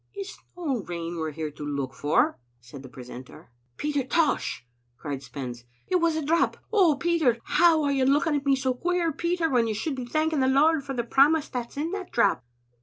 "It's no rain we're here to look for," said the pre centor. "Peter Tosh," cried Spens, "it was a drap! Oh, Peter! how are you looking at me so queer, Peter, when you should be thanking the Lord for the promise that's in that drap?"